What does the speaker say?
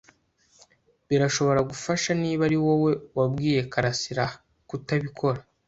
Birashobora gufasha niba ari wowe wabwiye karasira kutabikora.